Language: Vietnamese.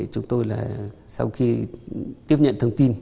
chúng tôi là sau khi tiếp nhận thông tin